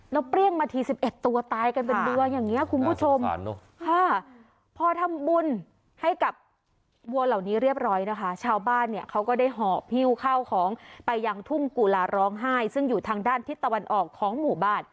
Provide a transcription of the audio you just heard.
แล้วเปรี้ยงมาที๑๑ตัวตายกันเป็นเดือนอย่างนี้คุณผู้ชม